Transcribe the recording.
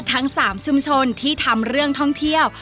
ทั้ง๓ชุมชนที่ทำเรื่องท่องเที่ยว